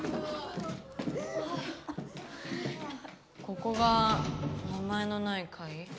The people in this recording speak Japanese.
ここが名前のないかい？